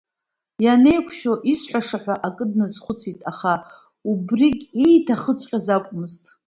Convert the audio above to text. Ианеиқәшәо исҳәаша ҳәа акы дназхәыцит, аха убрыгь ииҭахыҵәҟьаз акәмызт…